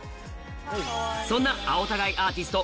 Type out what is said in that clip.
そんな青田買いアーティスト